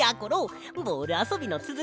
ボールあそびのつづきしようぜ！